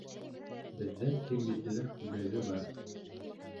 Беҙҙә тик бисәләр күлдәге бар.